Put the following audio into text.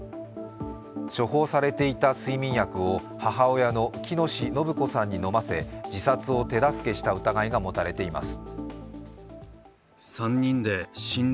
処方されていた睡眠薬を母親の喜熨斗延子さんに飲ませ自殺を手助けした疑いが持たれています。